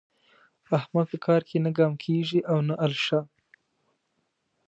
احمد په کار کې نه ګام کېږي او نه الشه.